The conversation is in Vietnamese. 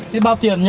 thế bao tiền nhỉ